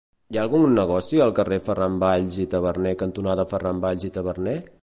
Hi ha algun negoci al carrer Ferran Valls i Taberner cantonada Ferran Valls i Taberner?